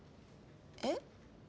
えっ？